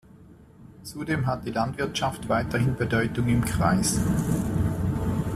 Zudem hat die Landwirtschaft weiterhin Bedeutung im Kreis.